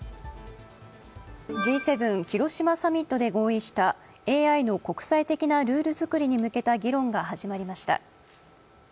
Ｇ７広島サミットで合意したＡＩの国際的なルール作りに向けた議論が始まりました。